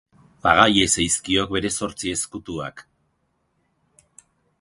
Paga iezazkiok bere zortzi ezkutuak.